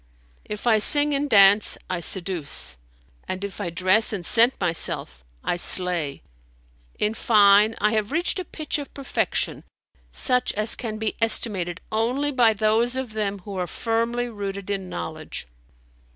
If I sing and dance, I seduce, and if I dress and scent myself, I slay. In fine, I have reached a pitch of perfection such as can be estimated only by those of them who are firmly rooted in knowledge."